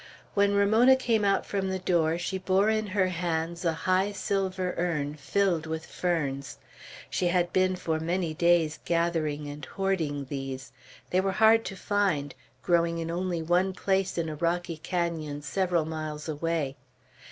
When Ramona came out from the door she bore in her hands a high silver urn filled with ferns. She had been for many days gathering and hoarding these. They were hard to find, growing only in one place in a rocky canon, several miles away.